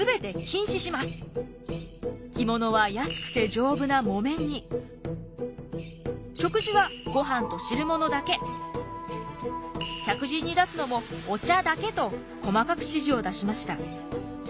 着物は安くて丈夫な木綿に食事はごはんと汁物だけ客人に出すのもお茶だけと細かく指示を出しました。